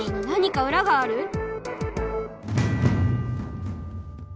なにか裏がある？